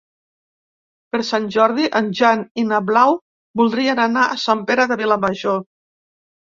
Per Sant Jordi en Jan i na Blau voldrien anar a Sant Pere de Vilamajor.